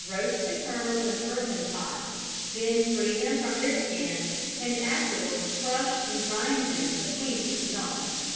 roast the kernels in earthen pots, then free them from their skins, and afterwards crush and grind them between two stones."